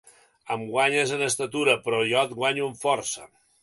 Em guanyes en estatura, però jo et guanyo en força.